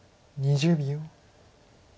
２０秒。